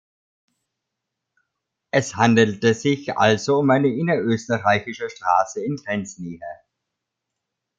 Es handelte sich also um eine innerösterreichische Straße in Grenznähe.